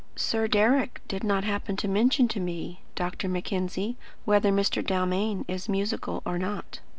"Sir Deryck did not happen to mention to me, Dr. Mackenzie, whether Mr. Dalmain is musical or not."